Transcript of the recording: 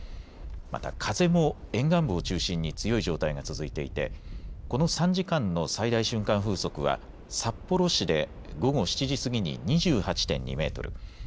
また風も沿岸部を中心に強い状態が続いていてこの３時間の最大瞬間風速は札幌市で午後７時過ぎに２８．２メートル